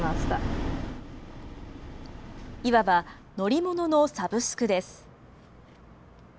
いわば、乗り物のサブスクです。